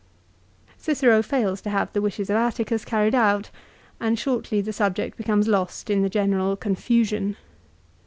Cicero fails to have the wishes of Atticus carried out, and shortly the subject becomes lost in the general confusion.